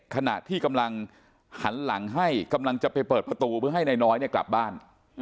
ขณะที่กำลังหันหลังให้กำลังจะไปเปิดประตูเพื่อให้นายน้อยเนี่ยกลับบ้าน